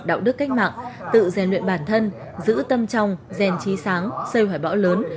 đạo đức cách mạng tự gian luyện bản thân giữ tâm trong gian trí sáng xây hỏi bão lớn